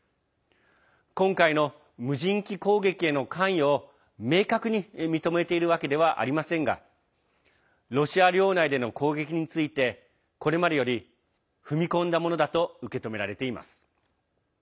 今回の無人機攻撃への関与を明確に認めているわけではありませんがロシア領内での攻撃についてこれまでより踏み込んだものだと受け止められています。